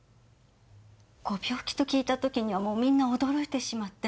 ご病気と聞いた時にはもうみんな驚いてしまって。